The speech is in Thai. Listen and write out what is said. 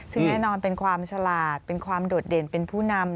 ซึ่งแน่นอนเป็นความฉลาดเป็นความโดดเด่นเป็นผู้นำ